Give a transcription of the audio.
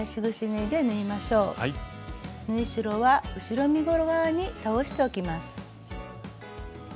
縫い代は後ろ身ごろ側に倒しておきます。